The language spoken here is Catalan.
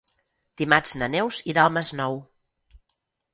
Dimarts na Neus irà al Masnou.